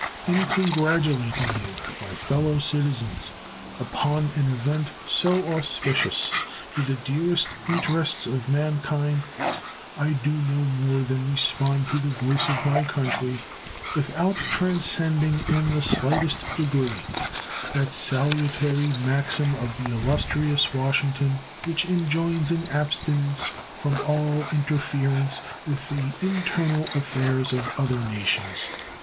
In congratulating you, my fellow citizens, upon an event so auspicious to the dearest interests of man kind I do no more than respond to the voice of my country, without transcending in the slightest degree that salutary maxim of the illustrious Washington which enjoins an abstinence from all interference with the internal affairs of other nations.